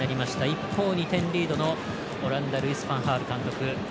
一方、２点リードのオランダルイス・ファン・ハール監督。